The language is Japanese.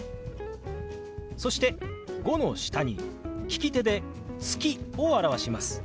そして「５」の下に利き手で「月」を表します。